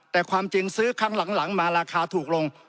แต่ความจริงซื้อครั้งหลังมาราคาถูกลง